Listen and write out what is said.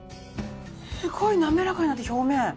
すごい滑らかになって表面！